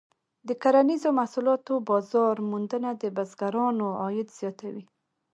د کرنیزو محصولاتو بازار موندنه د بزګرانو عاید زیاتوي.